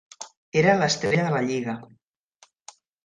Era l'estrella de la lliga.